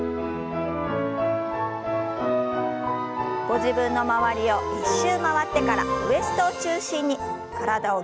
ご自分の周りを１周回ってからウエストを中心に体をぎゅっとねじります。